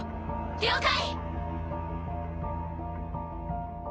了解！